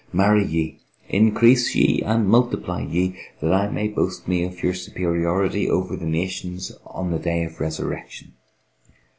'Marry ye, increase ye, and multiply ye, that I may boast me of your superiority over the nations on the Day of Resurrection.'